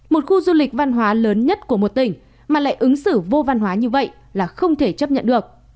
một khu du lịch văn hóa lớn nhất của một tỉnh mà lại ứng xử vô văn hóa như vậy là không thể chấp nhận được